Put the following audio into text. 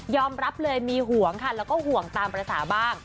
รับเลยมีห่วงค่ะแล้วก็ห่วงตามภาษาบ้าง